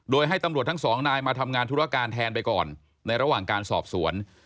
โดยให้ตำรวจทั้งสองนายมาทำงานธุรการแทนไปก่อนในระหว่างการสอบสวน